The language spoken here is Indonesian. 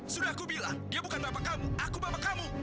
sudah aku bilang dia bukan bapak kamu aku bapak kamu